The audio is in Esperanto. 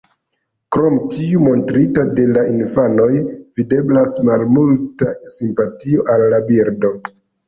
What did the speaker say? Krom tiu montrita de la infanoj, videblas malmulta simpatio al la birdo.